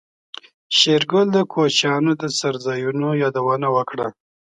شېرګل د کوچيانو د څړځايونو يادونه وکړه.